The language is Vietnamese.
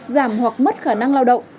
giảm hoặc mất khả năng lao động